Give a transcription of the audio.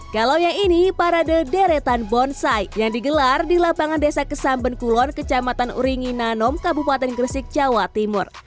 kalau yang ini parade deretan bonsai yang digelar di lapangan desa kesambenkulon kecamatan uringi nanom kabupaten gresik jawa timur